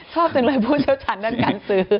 ชอบจังเลยผู้เชี่ยวชาญด้านการซื้อ